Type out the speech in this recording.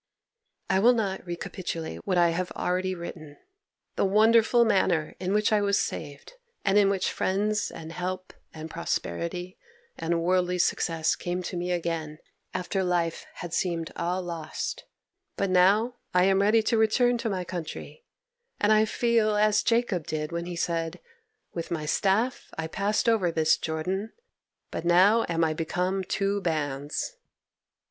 'I will not recapitulate what I have already written—the wonderful manner in which I was saved, and in which friends, and help, and prosperity, and worldly success came to me again after life had seemed all lost, but now I am ready to return to my country, and I feel as Jacob did when he said, "With my staff I passed over this Jordan, but now am I become two bands."